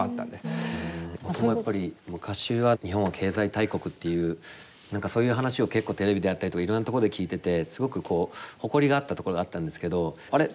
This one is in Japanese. やっぱり昔は日本は経済大国っていう何かそういう話を結構テレビであったりとかいろんなところで聞いててすごくこう誇りがあったところがあったんですけどあれ？